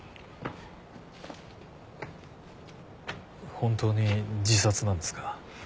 本当に自殺なんですか？